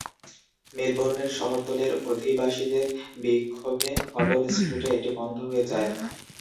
মেলবোর্নের শহরতলির অধিবাসীদের বিক্ষোভে হডল স্ট্রিটে এটি বন্ধ হয়ে যায়।